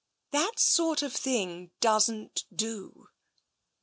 That sort of thing doesn't do."